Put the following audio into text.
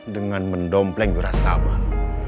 dengan mendompleng wirasabah